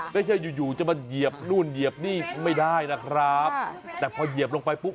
แล้วเหยียบไอเงี้ย